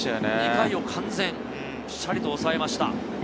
２回をぴしゃりと抑えました。